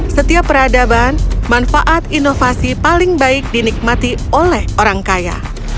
setiap peradaban manfaat inovasi paling baik dinikmati oleh orang kaya